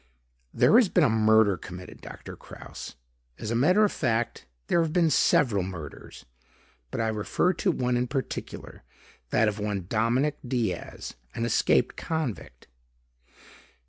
"There has been a murder committed, Doctor Kraus. As a matter of fact, there have been several murders, but I refer to one in particular; that of one Dominic Diaz, an escaped convict.